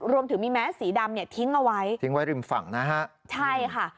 รวมถึงมีแมสสีดำเนี่ยทิ้งเอาไว้ทิ้งไว้ริมฝั่งนะฮะใช่ค่ะ